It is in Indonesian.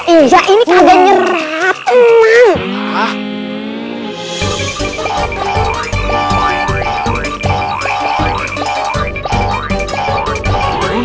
iya ini gak nyerah tenang